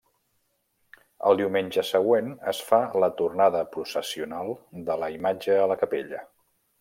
Al diumenge següent es fa la tornada processional de la imatge a la capella.